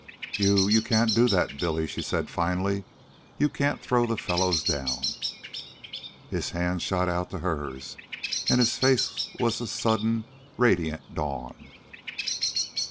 "You... you can't do that, Billy," she said finally. "You can't throw the fellows down." His hand shot out to hers, and his face was a sudden, radiant dawn.